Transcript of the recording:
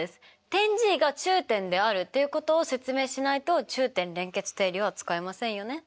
点Ｇが中点であるということを説明しないと中点連結定理は使えませんよね。